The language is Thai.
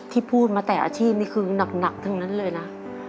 พูดมาแต่อาชีพนี่คือหนักทั้งนั้นเลยนะ